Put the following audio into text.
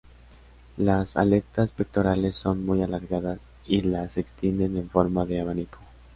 Las aletas pectorales son muy alargadas y las extienden en forma de abanico.